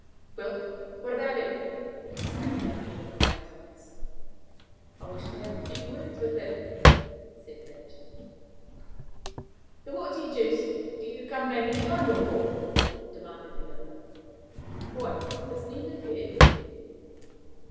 "Well? What about him?" snapped our new acquaintance. "I wished to have a few words with him," said Badger. "Then what the deuce do you come banging at my door for?" demanded the other. "Why, doesn't he live here?"